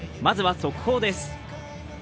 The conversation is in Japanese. まずは速報です。